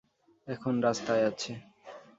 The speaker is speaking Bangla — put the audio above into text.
এখন রাস্তায় আছে।